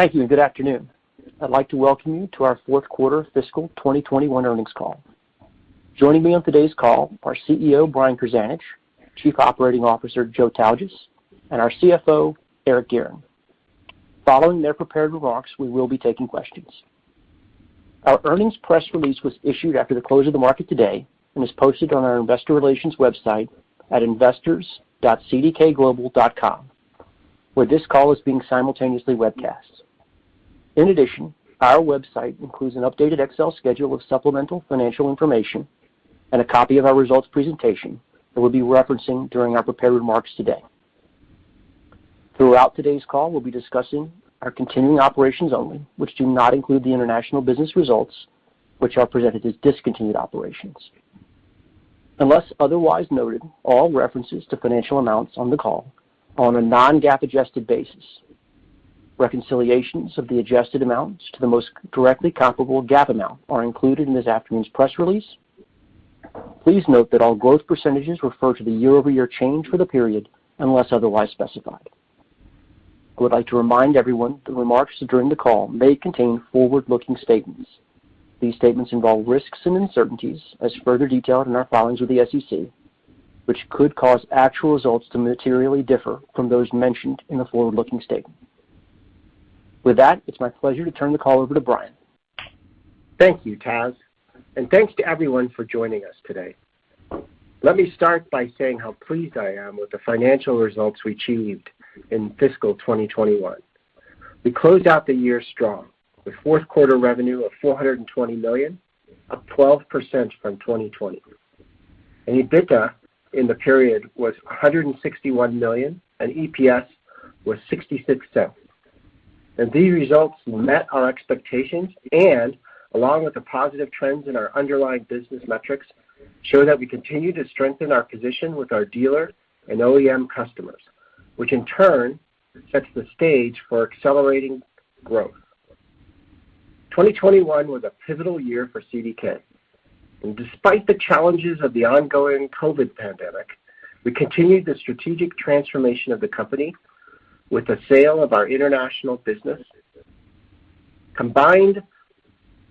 Thank you, and good afternoon. I'd like to welcome you to our Q4 Fiscal 2021 Earnings Call. Joining me on today's call are CEO Brian Krzanich, Chief Operating Officer Joe Tautges, and our CFO Eric Guerin. Following their prepared remarks, we will be taking questions. Our earnings press release was issued after the close of the market today and is posted on our Investor Relations website at investors.cdkglobal.com, where this call is being simultaneously webcast. In addition, our website includes an updated Excel schedule of supplemental financial information and a copy of our results presentation that we will be referencing during our prepared remarks today. Throughout today's call, we will be discussing our continuing operations only, which do not include the international business results, which are presented as discontinued operations. Unless otherwise noted, all references to financial amounts on the call are on a non-GAAP adjusted basis. Reconciliations of the adjusted amounts to the most directly comparable GAAP amount are included in this afternoon's press release. Please note that all growth percentages refer to the year-over-year change for the period, unless otherwise specified. I would like to remind everyone that remarks during the call may contain forward-looking statements. These statements involve risks and uncertainties as further detailed in our filings with the SEC, which could cause actual results to materially differ from those mentioned in the forward-looking statement. With that, it's my pleasure to turn the call over to Brian. Thank you, Taze. Thanks to everyone for joining us today. Let me start by saying how pleased I am with the financial results we achieved in fiscal 2021. We closed out the year strong with fourth quarter revenue of $420 million, up 12% from 2020. EBITDA in the period was $161 million, and EPS was $0.66. These results met our expectations and, along with the positive trends in our underlying business metrics, show that we continue to strengthen our position with our dealer and OEM customers, which in turn sets the stage for accelerating growth. 2021 was a pivotal year for CDK, and despite the challenges of the ongoing COVID pandemic, we continued the strategic transformation of the company with the sale of our international business. Combined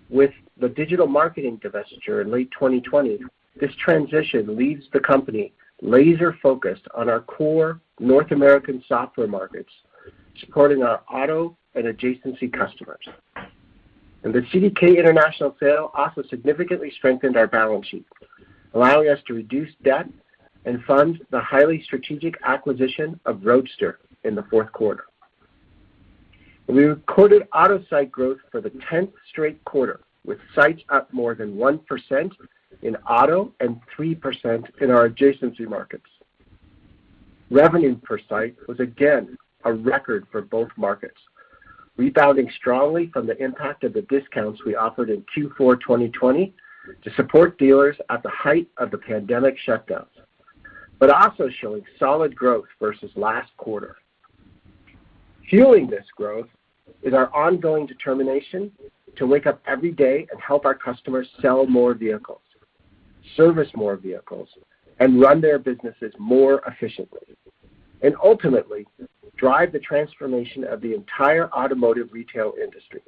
with the digital marketing divestiture in late 2020, this transition leaves the company laser-focused on our core North American software markets, supporting our auto and adjacency customers. The CDK International sale also significantly strengthened our balance sheet, allowing us to reduce debt and fund the highly strategic acquisition of Roadster in the fourth quarter. We recorded auto site growth for the 10th straight quarter, with sites up more than 1% in auto and 3% in our adjacency markets. Revenue per site was again a record for both markets, rebounding strongly from the impact of the discounts we offered in Q4 2020 to support dealers at the height of the pandemic shutdown, but also showing solid growth versus last quarter. Fueling this growth is our ongoing determination to wake up every day and help our customers sell more vehicles, service more vehicles, and run their businesses more efficiently, and ultimately drive the transformation of the entire automotive retail industry.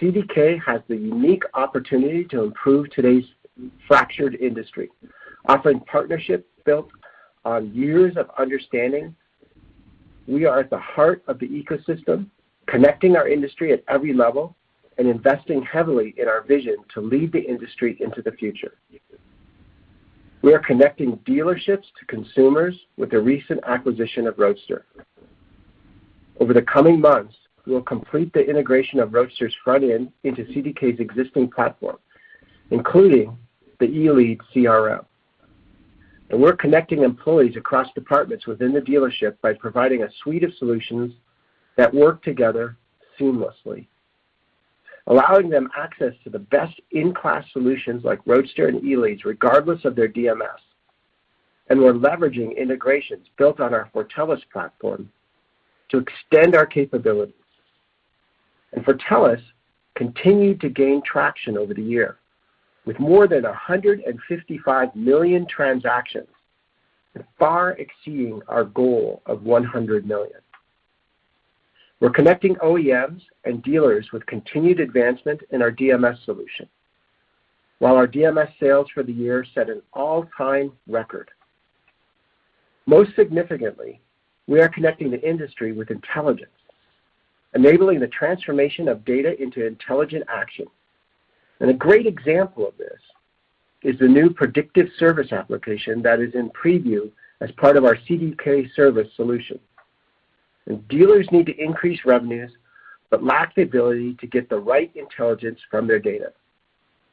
CDK has the unique opportunity to improve today's fractured industry, offering partnerships built on years of understanding. We are at the heart of the ecosystem, connecting our industry at every level and investing heavily in our vision to lead the industry into the future. We are connecting dealerships to consumers with the recent acquisition of Roadster. Over the coming months, we will complete the integration of Roadster's front end into CDK's existing platform, including the Elead CRM. We're connecting employees across departments within the dealership by providing a suite of solutions that work together seamlessly, allowing them access to the best-in-class solutions like Roadster and Elead, regardless of their DMS. We're leveraging integrations built on our Fortellis platform to extend our capabilities. Fortellis continued to gain traction over the year with more than 155 million transactions, far exceeding our goal of 100 million. We're connecting OEMs and dealers with continued advancement in our DMS solution, while our DMS sales for the year set an all-time record. Most significantly, we are connecting the industry with intelligence, enabling the transformation of data into intelligent action. A great example of this is the new Predictive Service application that is in preview as part of our CDK Service solution. Dealers need to increase revenues but lack the ability to get the right intelligence from their data.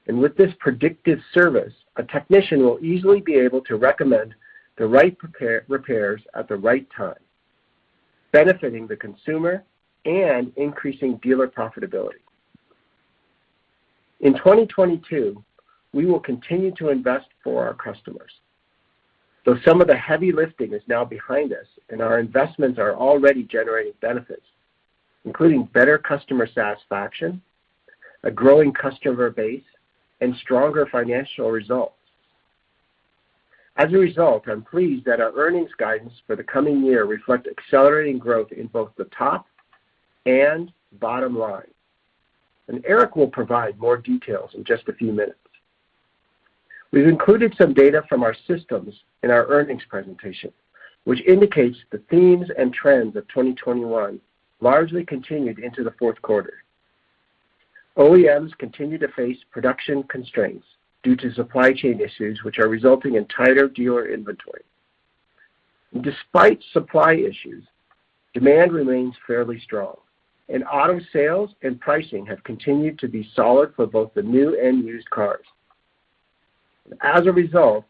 With this Predictive Service, a technician will easily be able to recommend the right repairs at the right time, benefiting the consumer and increasing dealer profitability. In 2022, we will continue to invest for our customers. Though some of the heavy lifting is now behind us and our investments are already generating benefits, including better customer satisfaction, a growing customer base, and stronger financial results. As a result, I'm pleased that our earnings guidance for the coming year reflect accelerating growth in both the top and bottom line. Eric will provide more details in just a few minutes. We've included some data from our systems in our earnings presentation, which indicates the themes and trends of 2021 largely continued into the Q4 OEMs continue to face production constraints due to supply chain issues, which are resulting in tighter dealer inventory. Despite supply issues, demand remains fairly strong, and auto sales and pricing have continued to be solid for both the new and used cars. As a result,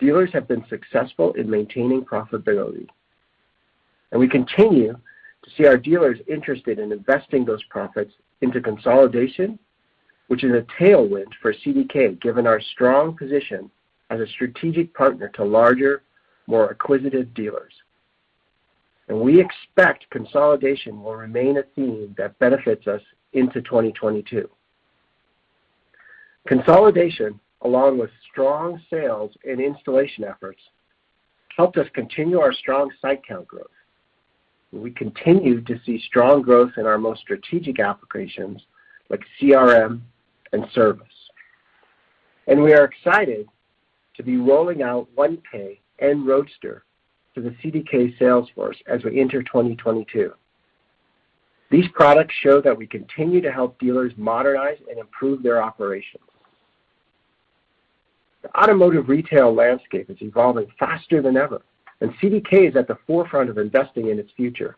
dealers have been successful in maintaining profitability, and we continue to see our dealers interested in investing those profits into consolidation, which is a tailwind for CDK, given our strong position as a strategic partner to larger, more acquisitive dealers. We expect consolidation will remain a theme that benefits us into 2022. Consolidation, along with strong sales and installation efforts, helped us continue our strong site count growth. We continue to see strong growth in our most strategic applications like CRM and Service. We are excited to be rolling out OnePay and Roadster to the CDK sales force as we enter 2022. These products show that we continue to help dealers modernize and improve their operations. The automotive retail landscape is evolving faster than ever, and CDK is at the forefront of investing in its future.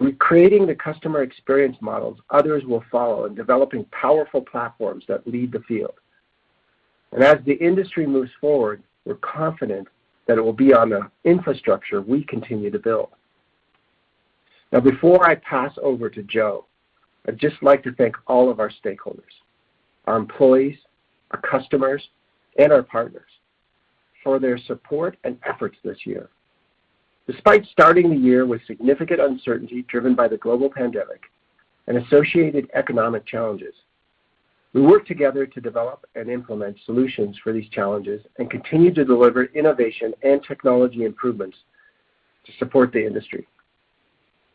We're creating the customer experience models others will follow in developing powerful platforms that lead the field. As the industry moves forward, we're confident that it will be on the infrastructure we continue to build. Now before I pass over to Joe, I'd just like to thank all of our stakeholders, our employees, our customers, and our partners for their support and efforts this year. Despite starting the year with significant uncertainty driven by the global pandemic and associated economic challenges, we worked together to develop and implement solutions for these challenges and continued to deliver innovation and technology improvements to support the industry.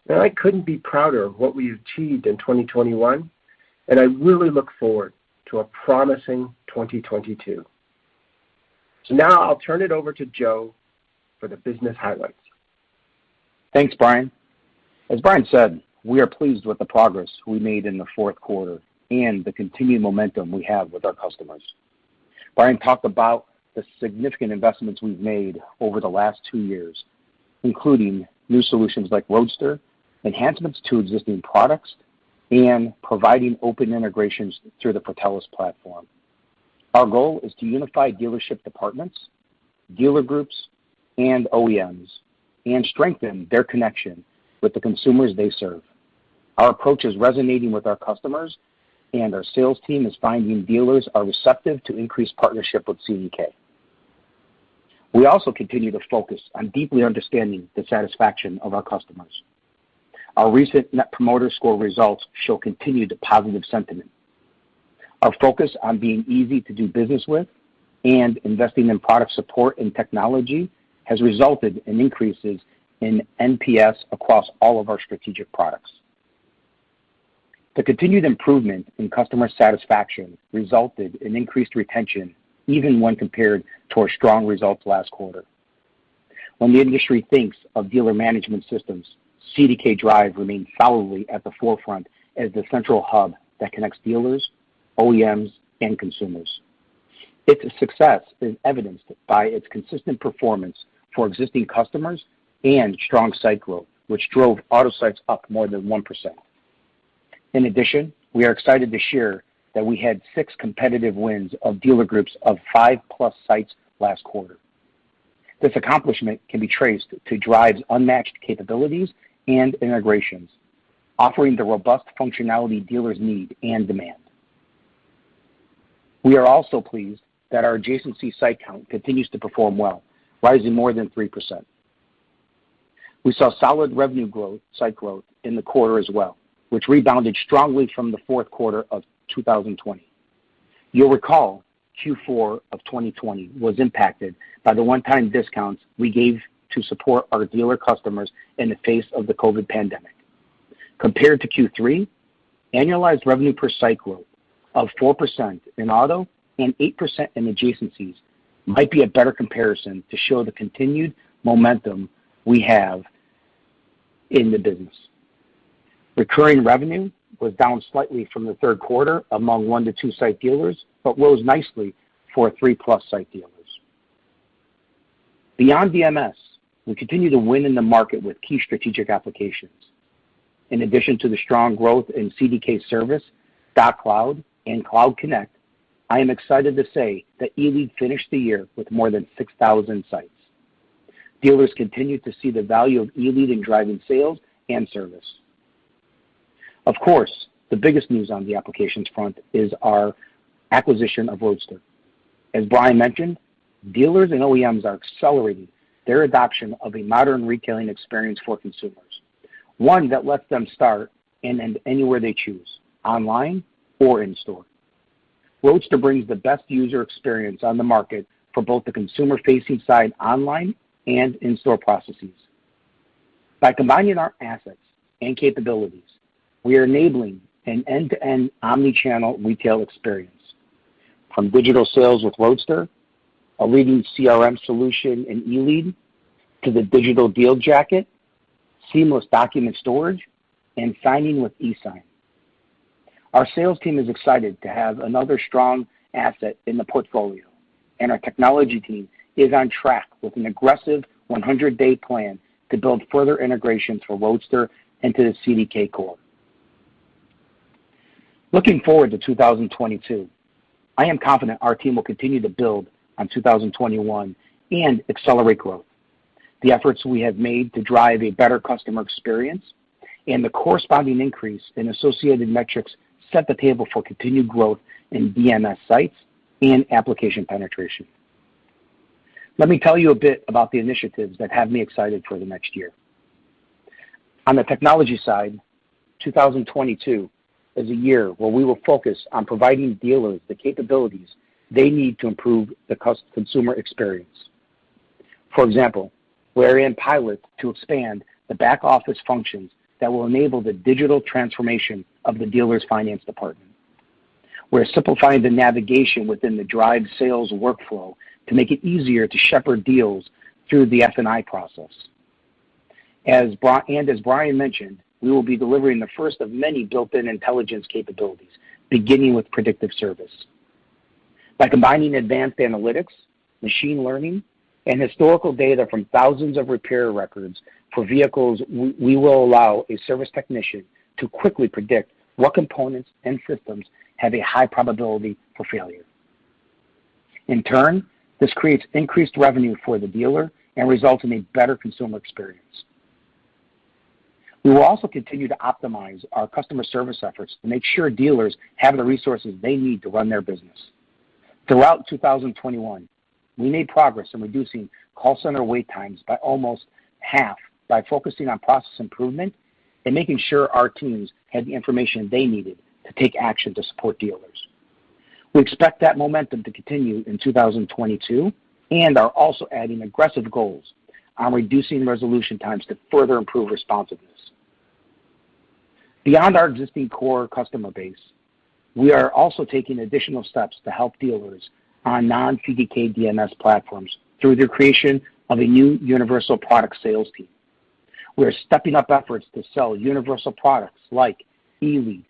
Now I couldn't be prouder of what we achieved in 2021, and I really look forward to a promising 2022. Now I'll turn it over to Joe for the business highlights. Thanks, Brian. As Brian said, we are pleased with the progress we made in the Q4 and the continued momentum we have with our customers. Brian talked about the significant investments we've made over the last two years, including new solutions like Roadster, enhancements to existing products, and providing open integrations through the Fortellis platform. Our goal is to unify dealership departments, dealer groups, and OEMs, and strengthen their connection with the consumers they serve. Our approach is resonating with our customers, and our sales team is finding dealers are receptive to increased partnership with CDK. We also continue to focus on deeply understanding the satisfaction of our customers. Our recent Net Promoter Score results show continued positive sentiment. Our focus on being easy to do business with and investing in product support and technology has resulted in increases in NPS across all of our strategic products. The continued improvement in customer satisfaction resulted in increased retention even when compared to our strong results last quarter. When the industry thinks of dealer management systems, CDK Drive remains solidly at the forefront as the central hub that connects dealers, OEMs, and consumers. Its success is evidenced by its consistent performance for existing customers and strong site growth, which drove auto sites up more than 1%. In addition, we are excited to share that we had six competitive wins of dealer groups of five-plus sites last quarter. This accomplishment can be traced to Drive's unmatched capabilities and integrations, offering the robust functionality dealers need and demand. We are also pleased that our adjacency site count continues to perform well, rising more than 3%. We saw solid revenue growth, site growth, in the quarter as well, which rebounded strongly from the Q4 of 2020. You'll recall Q4 2020 was impacted by the one-time discounts we gave to support our dealer customers in the face of the COVID pandemic. Compared to Q3, annualized revenue per site growth of 4% in auto and 8% in adjacencies might be a better comparison to show the continued momentum we have in the business. Recurring revenue was down slightly from the third quarter among 1 to 2-site dealers, but rose nicely for three-plus site dealers. Beyond DMS, we continue to win in the market with key strategic applications. In addition to the strong growth in CDK Service, DocCloud, and Cloud Connect, I am excited to say that Elead finished the year with more than 6,000 sites. Dealers continue to see the value of Elead in driving sales and service. Of course, the biggest news on the applications front is our acquisition of Roadster. As Brian mentioned, dealers and OEMs are accelerating their adoption of a modern retailing experience for consumers. One that lets them start and end anywhere they choose, online or in-store. Roadster brings the best user experience on the market for both the consumer-facing side online and in-store processes. By combining our assets and capabilities, we are enabling an end-to-end omnichannel retail experience. From digital sales with Roadster, a leading CRM solution in Elead, to the Digital Deal Jacket, seamless document storage, and signing with eSign. Our sales team is excited to have another strong asset in the portfolio, and our technology team is on track with an aggressive 100-day plan to build further integrations for Roadster into the CDK core. Looking forward to 2022, I am confident our team will continue to build on 2021 and accelerate growth. The efforts we have made to drive a better customer experience and the corresponding increase in associated metrics set the table for continued growth in DMS sites and application penetration. Let me tell you a bit about the initiatives that have me excited for the next year. On the technology side, 2022 is a year where we will focus on providing dealers the capabilities they need to improve the consumer experience. For example, we're in pilot to expand the back-office functions that will enable the digital transformation of the dealer's finance department. We're simplifying the navigation within the Drive sales workflow to make it easier to shepherd deals through the F&I process. As Brian mentioned, we will be delivering the first of many built-in intelligence capabilities, beginning with Predictive Service. By combining advanced analytics, machine learning, and historical data from thousands of repair records for vehicles, we will allow a service technician to quickly predict what components and systems have a high probability for failure. In turn, this creates increased revenue for the dealer and results in a better consumer experience. We will also continue to optimize our customer service efforts to make sure dealers have the resources they need to run their business. Throughout 2021, we made progress in reducing call center wait times by almost half by focusing on process improvement and making sure our teams had the information they needed to take action to support dealers. We expect that momentum to continue in 2022 and are also adding aggressive goals on reducing resolution times to further improve responsiveness. Beyond our existing core customer base, we are also taking additional steps to help dealers on non-CDK DMS platforms through the creation of a new universal product sales team. We're stepping up efforts to sell universal products like Elead,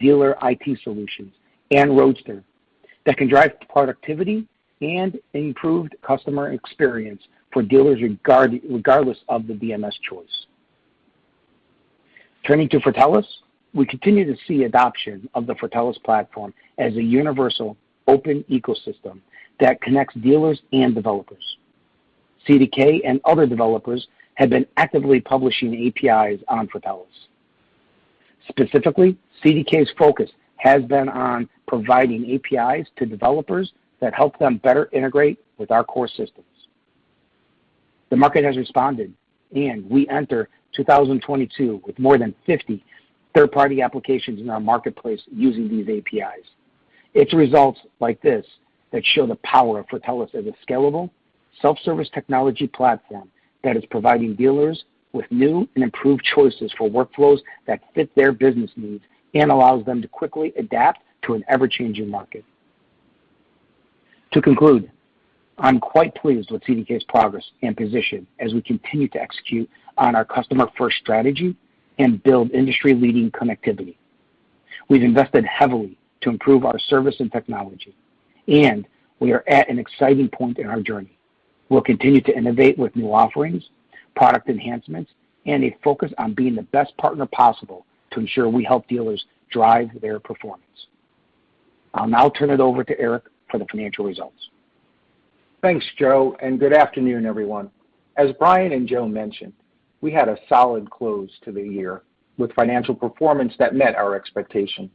Dealer IT Solutions, and Roadster that can drive productivity and improved customer experience for dealers regardless of the DMS choice. Turning to Fortellis, we continue to see adoption of the Fortellis platform as a universal, open ecosystem that connects dealers and developers. CDK and other developers have been actively publishing APIs on Fortellis. Specifically, CDK's focus has been on providing APIs to developers that help them better integrate with our core systems. The market has responded, and we enter 2022 with more than 50 third-party applications in our marketplace using these APIs. It's results like this that show the power of Fortellis as a scalable, self-service technology platform that is providing dealers with new and improved choices for workflows that fit their business needs and allows them to quickly adapt to an ever-changing market. To conclude, I'm quite pleased with CDK's progress and position as we continue to execute on our customer-first strategy and build industry-leading connectivity. We've invested heavily to improve our service and technology, and we are at an exciting point in our journey. We'll continue to innovate with new offerings, product enhancements, and a focus on being the best partner possible to ensure we help dealers drive their performance. I'll now turn it over to Eric for the financial results. Thanks, Joe, good afternoon, everyone. As Brian and Joe mentioned, we had a solid close to the year, with financial performance that met our expectations,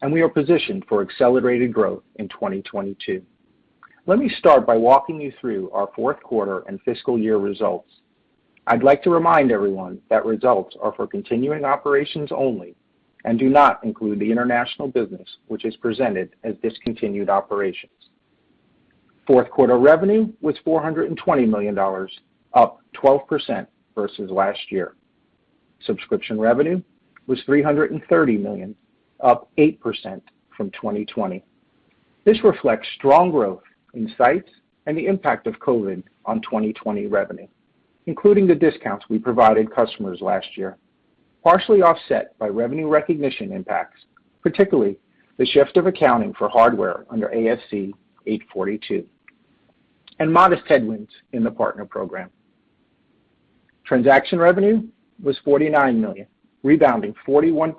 and we are positioned for accelerated growth in 2022. Let me start by walking you through our Q4 and fiscal year results. I'd like to remind everyone that results are for continuing operations only and do not include the international business, which is presented as discontinued operations. Q4 revenue was $420 million, up 12% versus last year. Subscription revenue was $330 million, up 8% from 2020. This reflects strong growth in sites and the impact of COVID on 2020 revenue, including the discounts we provided customers last year, partially offset by revenue recognition impacts, particularly the shift of accounting for hardware under ASC 842, and modest headwinds in the partner program. Transaction revenue was $49 million, rebounding 41%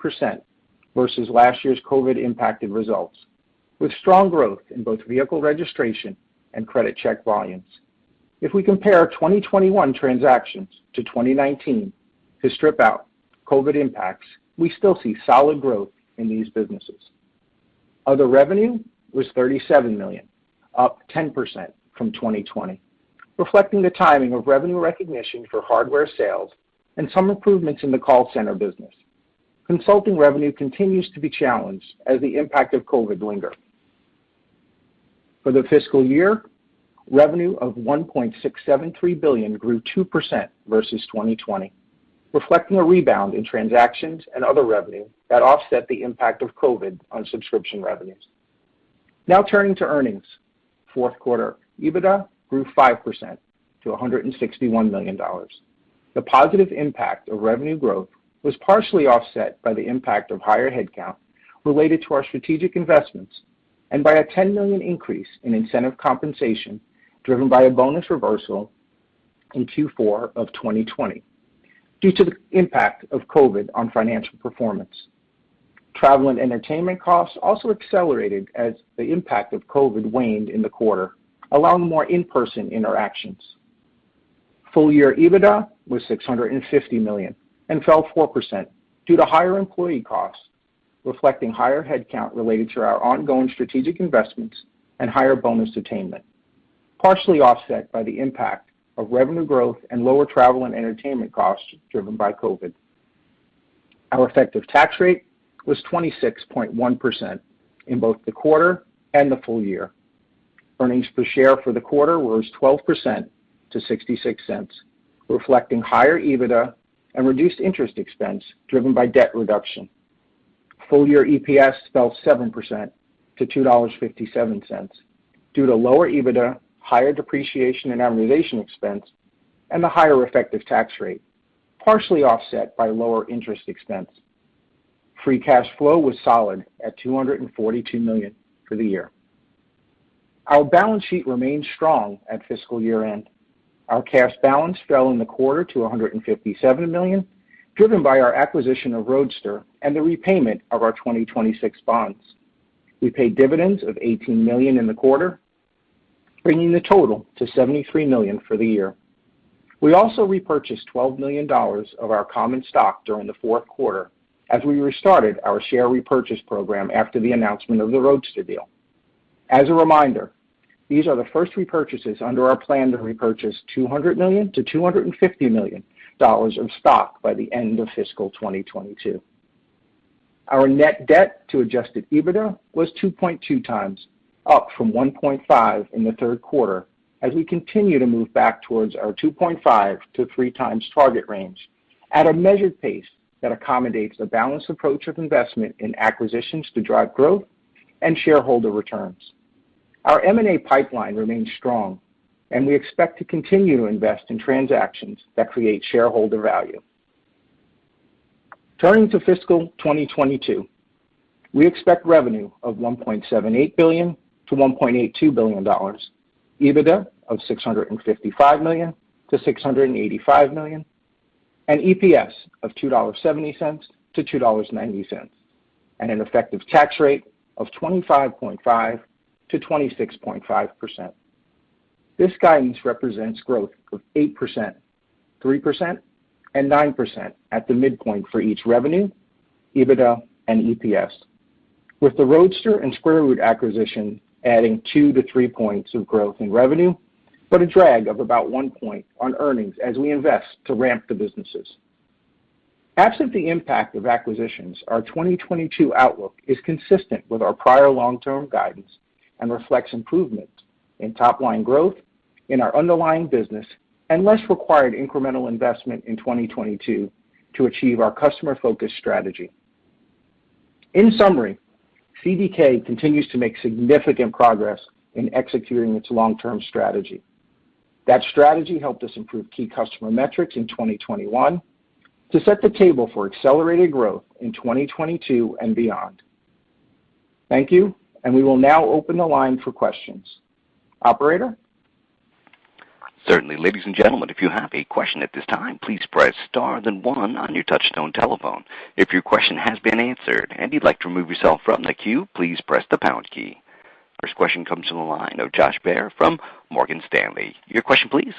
versus last year's COVID-impacted results, with strong growth in both vehicle registration and credit check volumes. If we compare 2021 transactions to 2019 to strip out COVID impacts, we still see solid growth in these businesses. Other revenue was $37 million, up 10% from 2020, reflecting the timing of revenue recognition for hardware sales and some improvements in the call center business. Consulting revenue continues to be challenged as the impact of COVID linger. For the fiscal year, revenue of $1.673 billion grew 2% versus 2020, reflecting a rebound in transactions and other revenue that offset the impact of COVID on subscription revenues. Turning to earnings. Q4 EBITDA grew 5% to $161 million. The positive impact of revenue growth was partially offset by the impact of higher headcount related to our strategic investments and by a $10 million increase in incentive compensation, driven by a bonus reversal in Q4 2020 due to the impact of COVID on financial performance. Travel and entertainment costs also accelerated as the impact of COVID waned in the quarter, allowing more in-person interactions. Full year EBITDA was $650 million and fell 4% due to higher employee costs, reflecting higher headcount related to our ongoing strategic investments and higher bonus attainment, partially offset by the impact of revenue growth and lower travel and entertainment costs driven by COVID. Our effective tax rate was 26.1% in both the quarter and the full year. Earnings per share for the quarter rose 12% to $0.66, reflecting higher EBITDA and reduced interest expense driven by debt reduction. Full year EPS fell 7% to $2.57 due to lower EBITDA, higher depreciation and amortization expense, and a higher effective tax rate, partially offset by lower interest expense. Free cash flow was solid at $242 million for the year. Our balance sheet remained strong at fiscal year-end. Our cash balance fell in the quarter to $157 million, driven by our acquisition of Roadster and the repayment of our 2026 bonds. We paid dividends of $18 million in the quarter, bringing the total to $73 million for the year. We also repurchased $12 million of our common stock during the fourth quarter as we restarted our share repurchase program after the announcement of the Roadster deal. As a reminder, these are the first repurchases under our plan to repurchase $200 million-$250 million of stock by the end of fiscal 2022. Our net debt to adjusted EBITDA was 2.2x, up from 1.5 in the Q3, as we continue to move back towards our 2.5x-3x target range at a measured pace that accommodates a balanced approach of investment in acquisitions to drive growth and shareholder returns. Our M&A pipeline remains strong. We expect to continue to invest in transactions that create shareholder value. Turning to fiscal 2022, we expect revenue of $1.78 billion-$1.82 billion, EBITDA of $655 million-$685 million, and EPS of $2.70-$2.90, and an effective tax rate of 25.5%-26.5%. This guidance represents growth of 8%, 3%, and 9% at the midpoint for each revenue, EBITDA, and EPS. With the Roadster and Square Root acquisition adding 2-3 points of growth in revenue, but a drag of about 1 point on earnings as we invest to ramp the businesses. Absent the impact of acquisitions, our 2022 outlook is consistent with our prior long-term guidance and reflects improvement in top-line growth in our underlying business and less required incremental investment in 2022 to achieve our customer-focused strategy. In summary, CDK continues to make significant progress in executing its long-term strategy. That strategy helped us improve key customer metrics in 2021 to set the table for accelerated growth in 2022 and beyond. Thank you, and we will now open the line for questions. Operator? First question comes from the line of Joshua Baer from Morgan Stanley. Your question, please.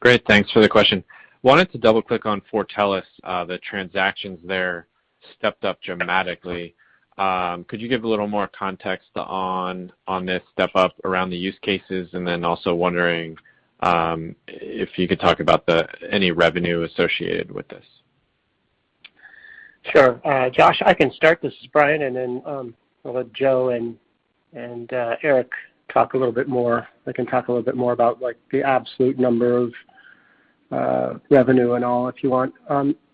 Great, thanks for the question. I wanted to double-click on Fortellis, the transactions there stepped up dramatically. Could you give a little more context on this step up around the use cases? I am also wondering if you could talk about any revenue associated with this? Sure. Josh, I can start this, Brian, and then I'll let Joe and Eric talk a little bit more. They can talk a little bit more about the absolute number of revenue and all if you want.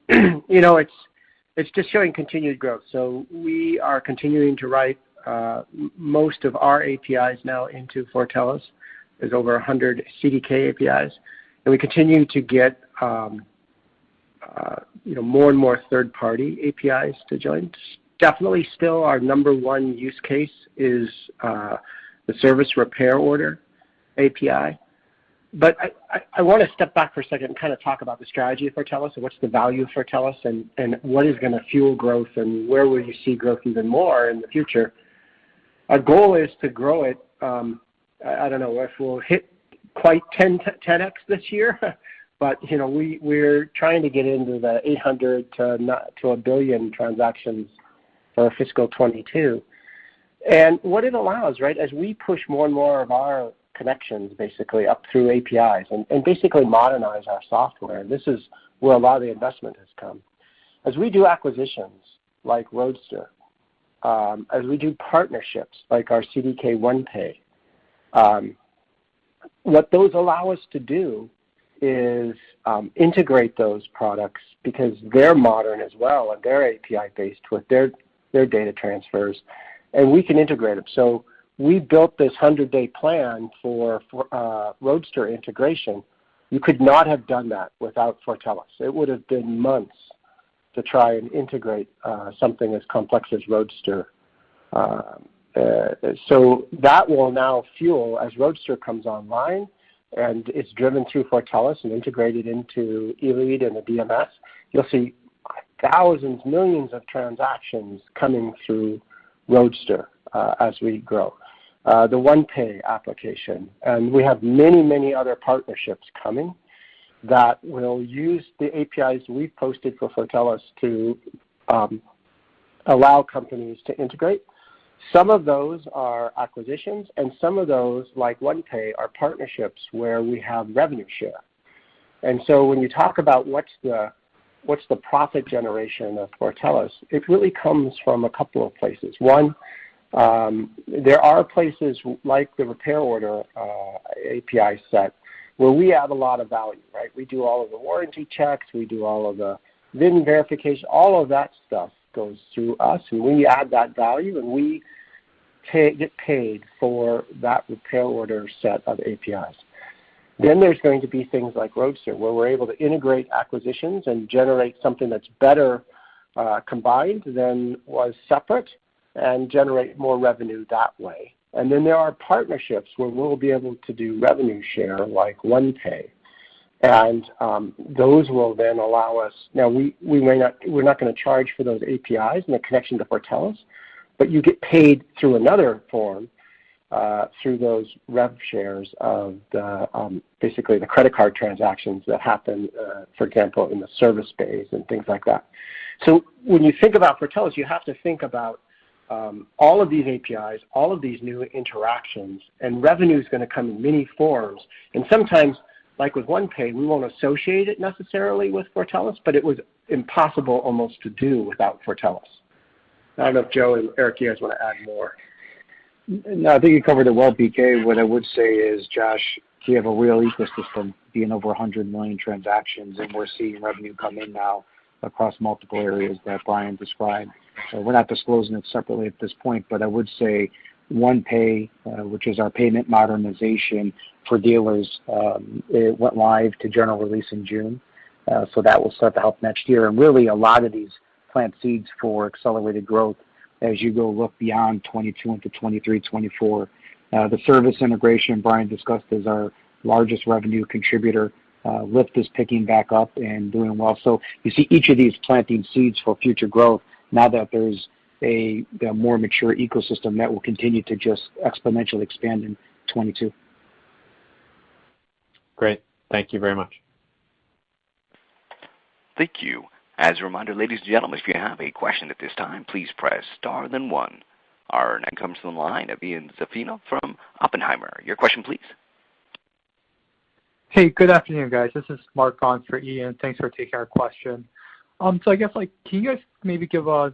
It's just showing continued growth. We are continuing to write most of our APIs now into Fortellis. There's over 100 CDK APIs, and we continue to get more and more third-party APIs to join. Definitely still our number 1 use case is the service repair order API. I want to step back for a second and talk about the strategy of Fortellis, and what's the value of Fortellis, and what is going to fuel growth, and where will you see growth even more in the future. Our goal is to grow it. I don't know if we'll hit quite 10x this year, but we're trying to get into the 800 million to 1 billion transactions for fiscal 2022. What it allows, as we push more and more of our connections basically up through APIs and basically modernize our software, and this is where a lot of the investment has come. As we do acquisitions like Roadster, as we do partnerships like our CDK OnePay, what those allow us to do is integrate those products because they're modern as well and they're API-based with their data transfers, and we can integrate them. We built this 100-day plan for Roadster integration. You could not have done that without Fortellis. It would have been months to try and integrate something as complex as Roadster. That will now fuel as Roadster comes online, and it's driven through Fortellis and integrated into Elead and the DMS. You'll see thousands, millions of transactions coming through Roadster as we grow. We have many other partnerships coming that will use the APIs we've posted for Fortellis to allow companies to integrate. Some of those are acquisitions, and some of those, like OnePay, are partnerships where we have revenue share. When you talk about what's the profit generation of Fortellis, it really comes from a couple of places. One, there are places like the repair order API set, where we add a lot of value. We do all of the warranty checks, we do all of the VIN verification, all of that stuff goes through us. We add that value, and we get paid for that repair order set of APIs. There's going to be things like Roadster, where we're able to integrate acquisitions and generate something that's better combined than was separate and generate more revenue that way. There are partnerships where we'll be able to do revenue share like OnePay. Those will then allow us. Now, we're not going to charge for those APIs and the connection to Fortellis, but you get paid through another form, through those rev shares of basically the credit card transactions that happen, for example, in the service space and things like that. When you think about Fortellis, you have to think about all of these APIs, all of these new interactions, and revenue is going to come in many forms. Sometimes, like with OnePay, we won't associate it necessarily with Fortellis, but it was impossible almost to do without Fortellis. I don't know if Joe and Eric, you guys want to add more. No, I think you covered it well, BK. What I would say is, Josh, we have a real ecosystem being over 100 million transactions, and we're seeing revenue come in now across multiple areas that Brian described. We're not disclosing it separately at this point, but I would say OnePay, which is our payment modernization for dealers, it went live to general release in June. That will start to help next year. Really a lot of these plant seeds for accelerated growth as you go look beyond 2022 into 2023, 2024. The service integration Brian discussed is our largest revenue contributor. Lift is picking back up and doing well. You see each of these planting seeds for future growth now that there's a more mature ecosystem that will continue to just exponentially expand in 2022. Great. Thank you very much. Thank you. As a reminder, ladies and gentlemen, if you have a question at this time, please press *1. Our next comes to the line of Ian Zaffino from Oppenheimer. Your question, please. Hey, good afternoon, guys. This is Mark on for Ian. Thanks for taking our question. I guess, can you guys maybe give a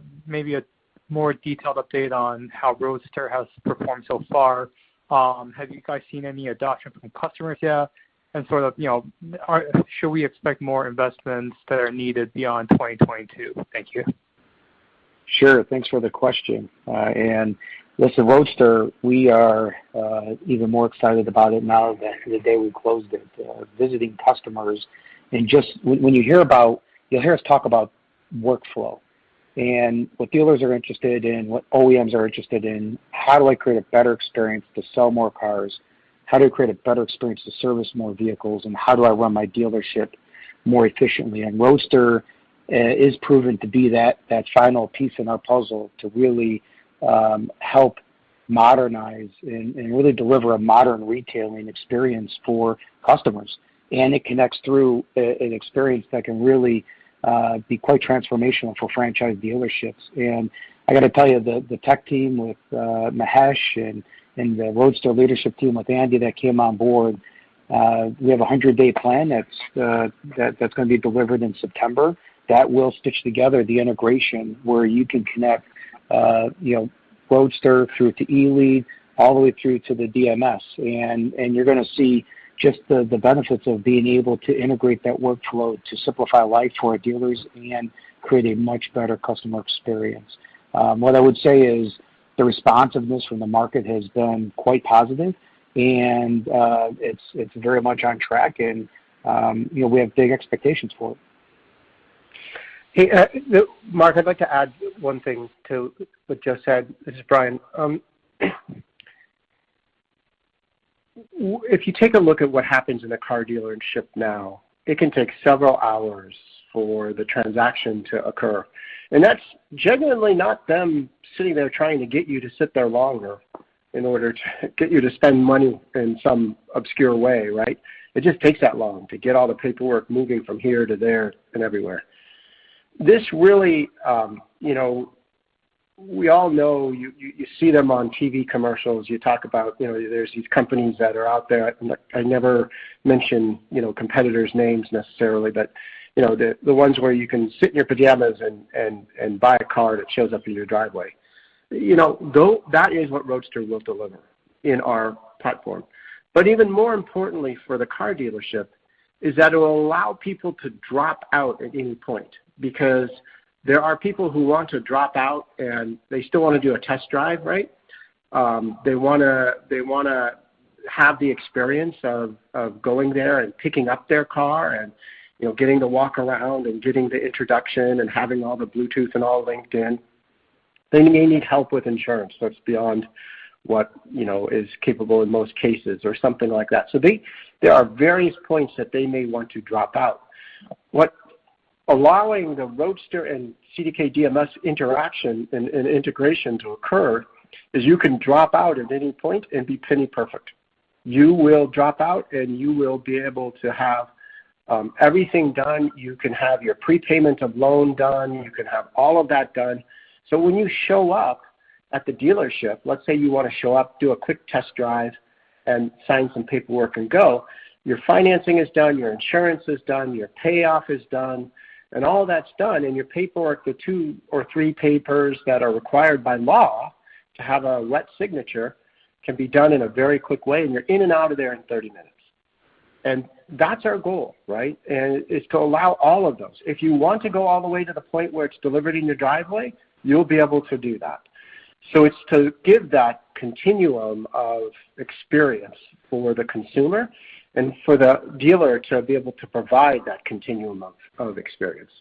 more detailed update on how Roadster has performed so far? Have you guys seen any adoption from customers yet? Should we expect more investments that are needed beyond 2022? Thank you. Sure. Thanks for the question. Listen, Roadster, we are even more excited about it now than the day we closed it. Visiting customers. You'll hear us talk about workflow. What dealers are interested in, what OEMs are interested in, how do I create a better experience to sell more cars? How do I create a better experience to service more vehicles? How do I run my dealership more efficiently? Roadster is proven to be that final piece in our puzzle to really help modernize and really deliver a modern retailing experience for customers. It connects through an experience that can really be quite transformational for franchise dealerships. I got to tell you, the tech team with Mahesh and the Roadster leadership team with Andy that came on board, we have a 100-day plan that's going to be delivered in September that will stitch together the integration where you can connect Roadster through to Elead all the way through to the DMS. You're going to see just the benefits of being able to integrate that workload to simplify life to our dealers and create a much better customer experience. What I would say is the responsiveness from the market has been quite positive, and it's very much on track, and we have big expectations for it. Hey, Mark, I'd like to add one thing to what Joe said. This is Brian. If you take a look at what happens in a car dealership now, it can take several hours for the transaction to occur. That's genuinely not them sitting there trying to get you to sit there longer in order to get you to spend money in some obscure way, right? It just takes that long to get all the paperwork moving from here to there and everywhere. We all know, you see them on TV commercials. You talk about, there's these companies that are out there, I never mention competitors' names necessarily, but the ones where you can sit in your pajamas and buy a car that shows up in your driveway. That is what Roadster will deliver in our platform. Even more importantly for the car dealership is that it will allow people to drop out at any point, because there are people who want to drop out, and they still want to do a test drive, right? They want to have the experience of going there and picking up their car and getting to walk around and getting the introduction and having all the Bluetooth and all linked in. They may need help with insurance that's beyond what is capable in most cases or something like that. There are various points that they may want to drop out. What allowing the Roadster and CDK DMS interaction and integration to occur is you can drop out at any point and be penny perfect. You will drop out, and you will be able to have everything done. You can have your prepayment of loan done. You can have all of that done. When you show up at the dealership, let's say you want to show up, do a quick test drive, and sign some paperwork and go, your financing is done, your insurance is done, your payoff is done, and all that's done, and your paperwork, the two or three papers that are required by law to have a wet signature, can be done in a very quick way, and you're in and out of there in 30 minutes. That's our goal, right? Is to allow all of those. If you want to go all the way to the point where it's delivered in your driveway, you'll be able to do that. It's to give that continuum of experience for the consumer and for the dealer to be able to provide that continuum of experience.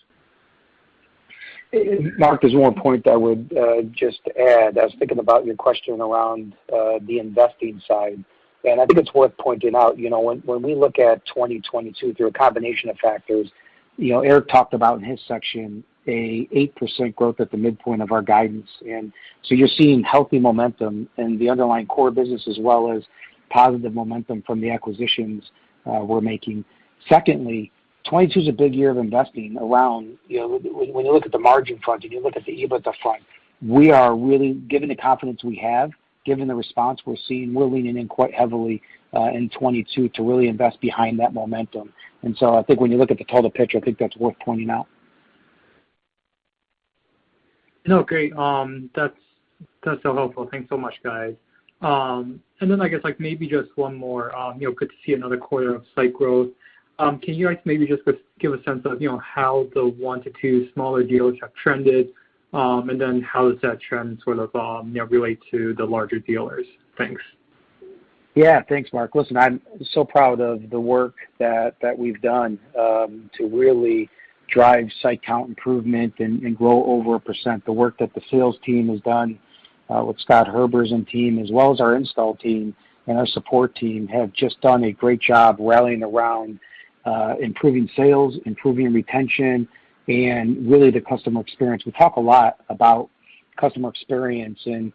Mark, there's one point that I would just add. I was thinking about your question around the investing side, and I think it's worth pointing out, when we look at 2022 through a combination of factors, Eric talked about in his section an 8% growth at the midpoint of our guidance. You're seeing healthy momentum in the underlying core business, as well as positive momentum from the acquisitions we're making. Secondly, 2022 is a big year of investing around When you look at the margin front and you look at the EBITDA front, given the confidence we have, given the response we're seeing, we're leaning in quite heavily in 2022 to really invest behind that momentum. I think when you look at the total picture, I think that's worth pointing out. No, great. That's so helpful. Thanks so much, guys. I guess maybe just one more. Good to see another quarter of site growth. Can you guys maybe just give a sense of how the one to two smaller dealers have trended, and then how does that trend sort of relate to the larger dealers? Thanks. Yeah. Thanks, Mark. Listen, I'm so proud of the work that we've done to really drive site count improvement and grow over 1%. The work that the sales team has done with Scott Herbers and team, as well as our install team and our support team, have just done a great job rallying around improving sales, improving retention, and really the customer experience. We talk a lot about customer experience, and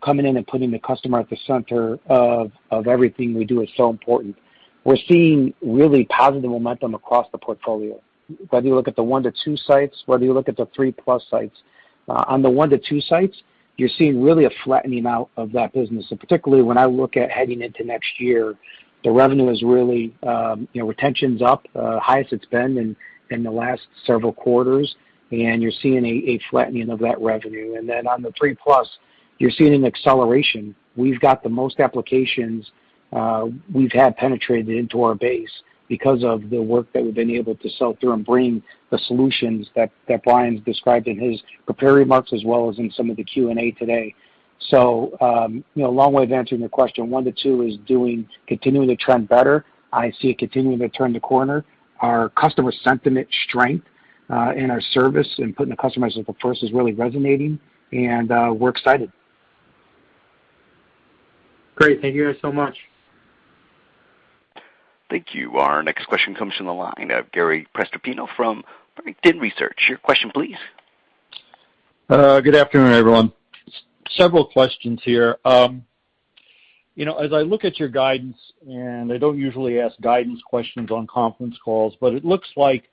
coming in and putting the customer at the center of everything we do is so important. We're seeing really positive momentum across the portfolio, whether you look at the one to two sites, whether you look at the three-plus sites. On the one to two sites, you're seeing really a flattening out of that business. Particularly when I look at heading into next year, the revenue is really Retention's up, highest it's been in the last several quarters, and you're seeing a flattening of that revenue. On the three plus, you're seeing an acceleration. We've got the most applications we've had penetrated into our base because of the work that we've been able to sell through and bring the solutions that Brian's described in his prepared remarks, as well as in some of the Q&A today. Long way of answering your question. One to two is continuing to trend better. I see it continuing to turn the corner. Our customer sentiment strength in our service and putting the customer as the first is really resonating, and we're excited. Great. Thank you guys so much. Thank you. Our next question comes from the line of Gary Prestopino from Barrington Research. Your question please. Good afternoon, everyone. Several questions here. As I look at your guidance, and I don't usually ask guidance questions on conference calls, but it looks like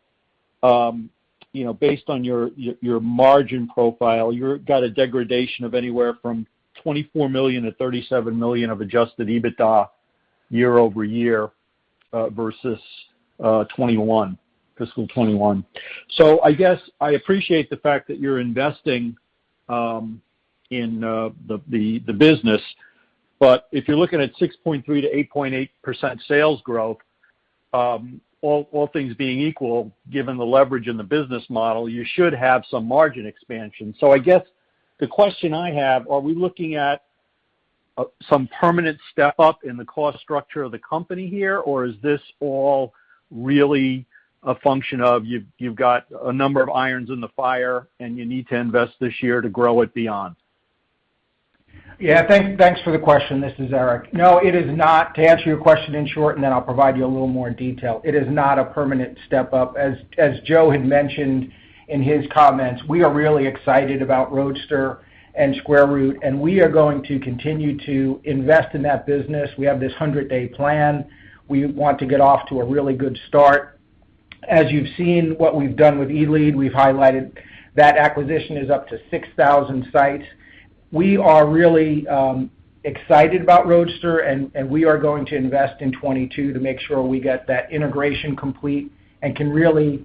based on your margin profile, you've got a degradation of anywhere from $24 million to $37 million of adjusted EBITDA year-over-year versus fiscal 2021. I guess I appreciate the fact that you're investing in the business. If you're looking at 6.3%-8.8% sales growth, all things being equal, given the leverage in the business model, you should have some margin expansion. I guess the question I have, are we looking at some permanent step-up in the cost structure of the company here, or is this all really a function of you've got a number of irons in the fire, and you need to invest this year to grow it beyond? Thanks for the question. This is Eric. It is not. To answer your question in short, I'll provide you a little more detail. It is not a permanent step up. As Joe had mentioned in his comments, we are really excited about Roadster and Square Root, we are going to continue to invest in that business. We have this 100-day plan. We want to get off to a really good start. As you've seen what we've done with Elead, we've highlighted that acquisition is up to 6,000 sites. We are really excited about Roadster, we are going to invest in 2022 to make sure we get that integration complete and can really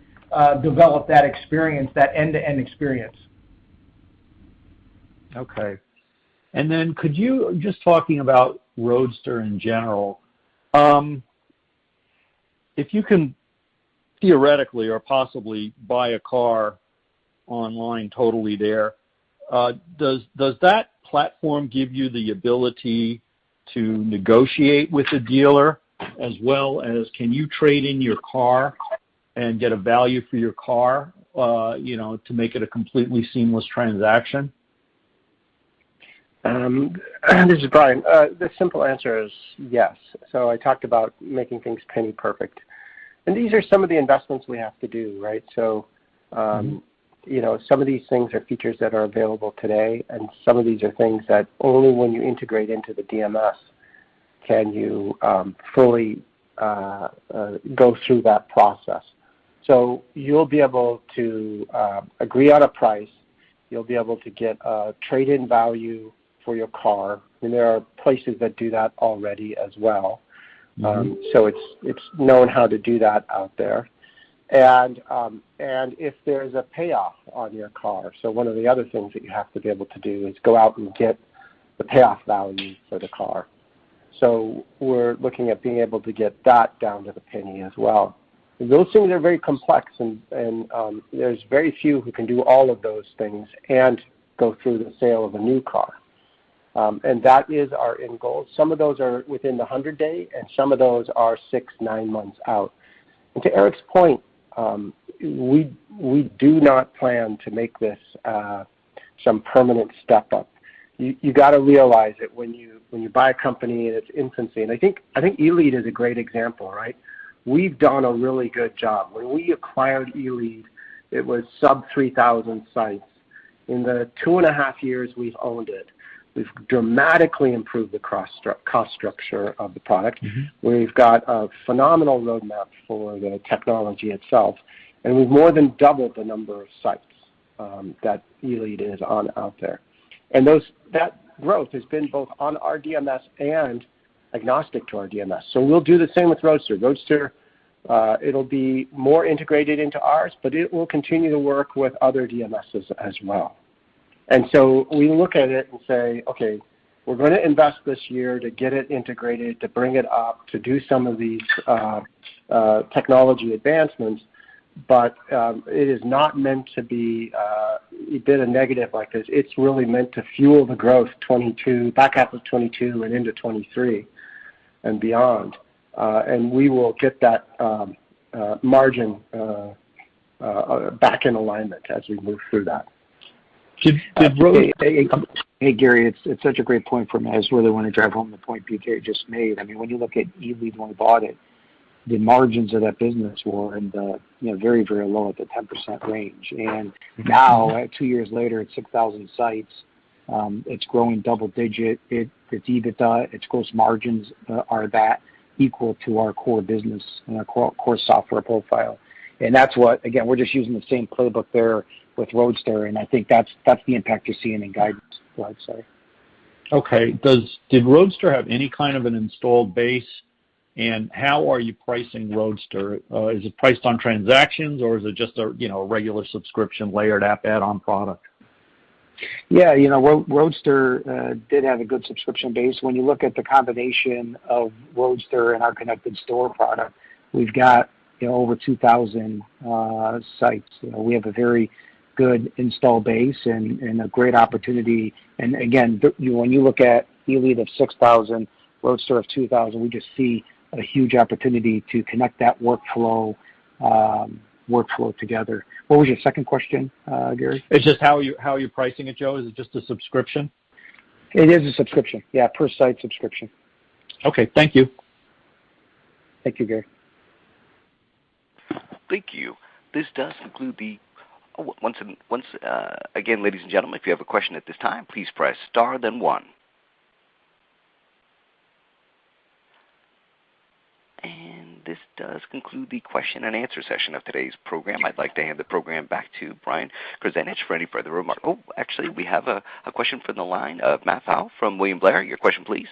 develop that end-to-end experience. Okay. Could you, just talking about Roadster in general, if you can theoretically or possibly buy a car online totally there, does that platform give you the ability to negotiate with the dealer as well as can you trade in your car and get a value for your car to make it a completely seamless transaction? This is Brian. The simple answer is yes. I talked about making things penny perfect. These are some of the investments we have to do, right? Some of these things are features that are available today, and some of these are things that only when you integrate into the DMS can you fully go through that process. You'll be able to agree on a price. You'll be able to get a trade-in value for your car, and there are places that do that already as well. It's known how to do that out there. If there is a payoff on your car, one of the other things that you have to be able to do is go out and get the payoff value for the car. We're looking at being able to get that down to the penny as well. Those things are very complex, there's very few who can do all of those things and go through the sale of a new car. That is our end goal. Some of those are within the 100-day, and some of those are six, nine months out. To Eric's point, we do not plan to make this some permanent step-up. You got to realize it when you buy a company in its infancy, I think Elead is a great example, right? We've done a really good job. When we acquired Elead, it was sub 3,000 sites. In the two and a half years we've owned it, we've dramatically improved the cost structure of the product. We've got a phenomenal roadmap for the technology itself. We've more than doubled the number of sites that Elead is on out there. That growth has been both on our DMS and agnostic to our DMS. We'll do the same with Roadster. Roadster, it'll be more integrated into ours. It will continue to work with other DMSs as well. We look at it and say, okay, we're going to invest this year to get it integrated, to bring it up, to do some of these technology advancements. It is not meant to be a bit of negative like this. It's really meant to fuel the growth back half of 2022 and into 2023 and beyond. We will get that margin back in alignment as we move through that. Hey, Gary, it's such a great point for me. I just really want to drive home the point BK just made. When you look at Elead when we bought it, the margins of that business were very low at the 10% range. Now at two years later, it's 6,000 sites. It's growing double-digit. Its EBITDA, its gross margins are that equal to our core business and our core software profile. That's what, again, we're just using the same playbook there with Roadster, and I think that's the impact you're seeing in guidance. Okay. Did Roadster have any kind of an installed base, and how are you pricing Roadster? Is it priced on transactions, or is it just a regular subscription layered add-on product? Yeah. Roadster did have a good subscription base. When you look at the combination of Roadster and our Connected Store product, we've got over 2,000 sites. We have a very good install base and a great opportunity. Again, when you look at Elead of 6,000, Roadster of 2,000, we just see a huge opportunity to connect that workflow together. What was your second question, Gary? It's just how are you pricing it, Joe? Is it just a subscription? It is a subscription, yeah. Per site subscription. Okay. Thank you. Thank you, Gary. Thank you. Once again, ladies and gentlemen, if you have a question at this time, please press *1. This does conclude the question and answer session of today's program. I'd like to hand the program back to Brian Krzanich for any further remarks. Oh, actually, we have a question from the line of Matthew Pfau from William Blair. Your question, please.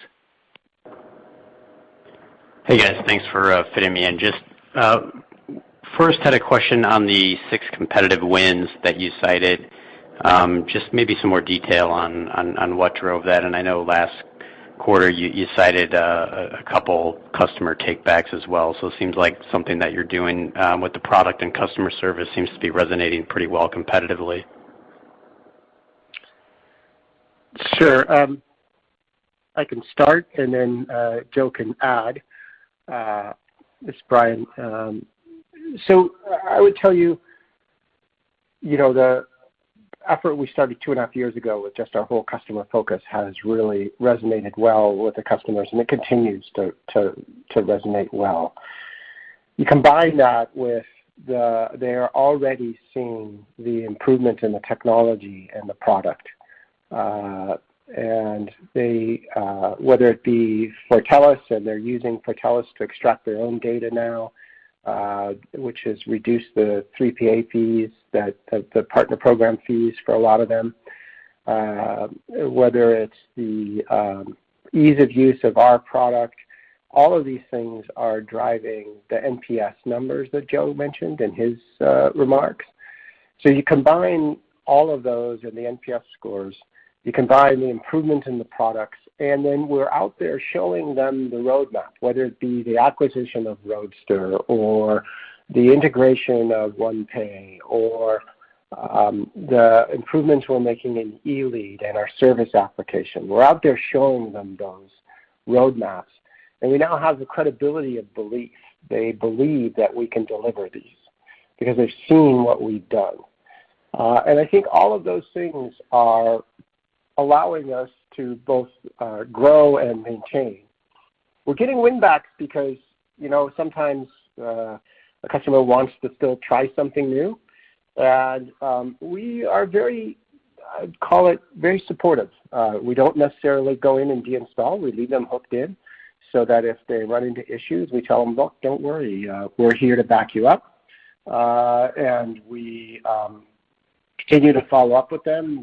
Hey, guys. Thanks for fitting me in. Just first had a question on the 6 competitive wins that you cited. Maybe some more detail on what drove that. I know last quarter, you cited a couple customer take backs as well. It seems like something that you're doing with the product and customer service seems to be resonating pretty well competitively. Sure. I can start and then Joe can add. It's Brian. I would tell you. The effort we started two and a half years ago with just our whole customer focus has really resonated well with the customers, and it continues to resonate well. You combine that with they're already seeing the improvement in the technology and the product. Whether it be Fortellis, and they're using Fortellis to extract their own data now, which has reduced the 3PA fees, the partner program fees, for a lot of them. Whether it's the ease of use of our product, all of these things are driving the NPS numbers that Joe mentioned in his remarks. You combine all of those and the NPS scores, you combine the improvement in the products, we're out there showing them the roadmap, whether it be the acquisition of Roadster or the integration of OnePay or the improvements we're making in Elead and our service application. We're out there showing them those roadmaps, and we now have the credibility of belief. They believe that we can deliver these because they've seen what we've done. I think all of those things are allowing us to both grow and maintain. We're getting win backs because sometimes a customer wants to still try something new, and we are very, call it very supportive. We don't necessarily go in and deinstall. We leave them hooked in so that if they run into issues, we tell them, "Look, don't worry. We're here to back you up." We continue to follow up with them.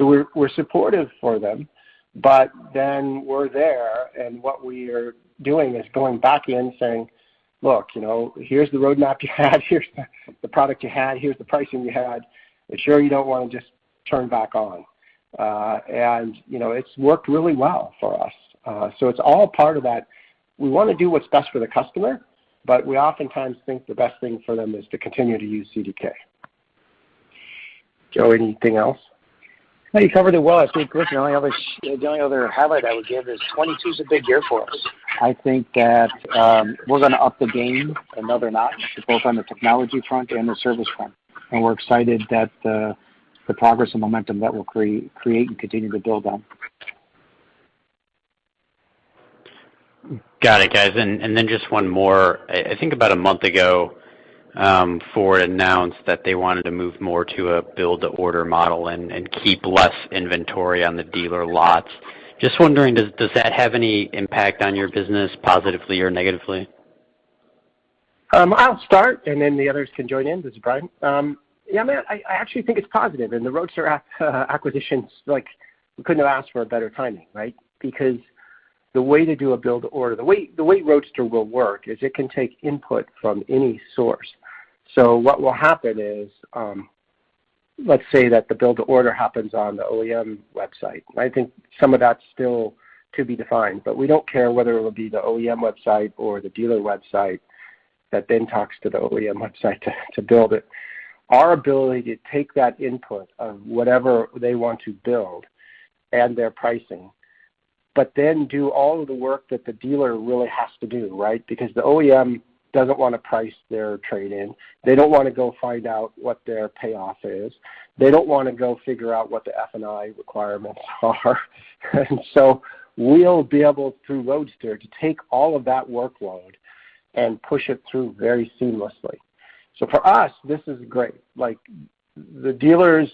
We're supportive for them. We're there, and what we are doing is going back in, saying, "Look, here's the roadmap you had, here's the product you had, here's the pricing you had. Are you sure you don't want to just turn back on?" It's worked really well for us. It's all part of that we want to do what's best for the customer, but we oftentimes think the best thing for them is to continue to use CDK. Joe, anything else? No, you covered it well, I think. The only other highlight I would give is 2022 is a big year for us. I think that we're going to up the game a notch, both on the technology front and the service front. We're excited that the progress and momentum that we'll create and continue to build on. Got it, guys. Then just one more. I think about a month ago, Ford announced that they wanted to move more to a build-to-order model and keep less inventory on the dealer lots. Just wondering, does that have any impact on your business positively or negatively? I'll start, and then the others can join in. This is Brian. Yeah, I actually think it's positive. The Roadster acquisition, we couldn't have asked for a better timing, right? The way Roadster will work is it can take input from any source. What will happen is, let's say that the build-to-order happens on the OEM website. I think some of that's still to be defined, but we don't care whether it will be the OEM website or the dealer website that then talks to the OEM website to build it. Our ability to take that input of whatever they want to build and their pricing, but then do all of the work that the dealer really has to do, right? The OEM doesn't want to price their trade-in. They don't want to go find out what their payoff is. They don't want to go figure out what the F&I requirements are. We'll be able, through Roadster, to take all of that workload and push it through very seamlessly. For us, this is great. The dealers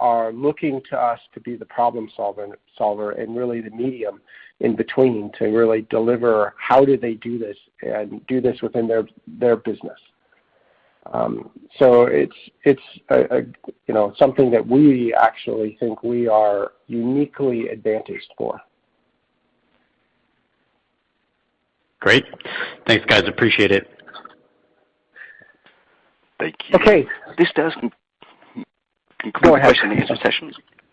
are looking to us to be the problem solver and really the medium in between to really deliver how do they do this and do this within their business. It's something that we actually think we are uniquely advantaged for. Great. Thanks, guys. Appreciate it. This does conclude the question-and-answer sessions.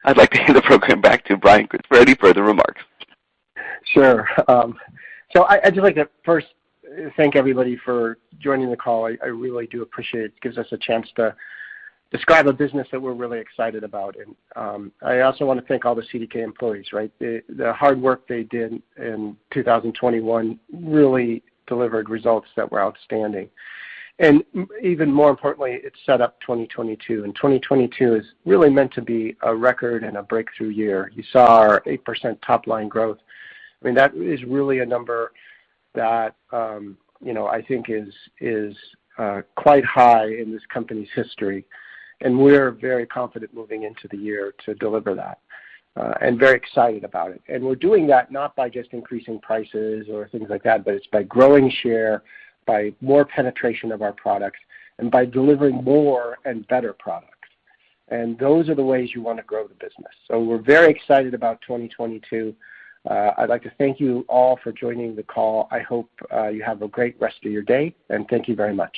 I'd like to hand the program back to Brian Krzanich for any further remarks. I'd just like to first thank everybody for joining the call. I really do appreciate it. It gives us a chance to describe a business that we're really excited about. I also want to thank all the CDK employees, right? The hard work they did in 2021 really delivered results that were outstanding. Even more importantly, it set up 2022, and 2022 is really meant to be a record and a breakthrough year. You saw our 8% top-line growth. That is really a number that I think is quite high in this company's history, and we're very confident moving into the year to deliver that, and very excited about it. We're doing that not by just increasing prices or things like that, but it's by growing share, by more penetration of our products, and by delivering more and better products. Those are the ways you want to grow the business. We're very excited about 2022. I'd like to thank you all for joining the call. I hope you have a great rest of your day, and thank you very much.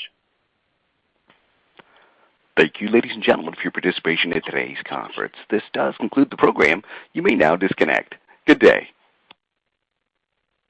Thank you, ladies and gentlemen, for your participation in today's conference. This does conclude the program. You may now disconnect. Good day.